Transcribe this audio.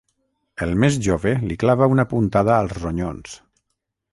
El més jove li clava una puntada als ronyons.